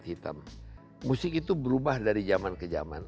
dan jenis musik itu juga berubah dari zaman ke zaman